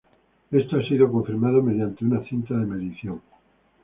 Esto ha sido confirmado mediante una cinta de medición.